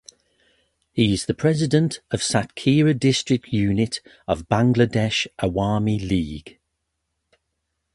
He is the President of Satkhira District unit of Bangladesh Awami League.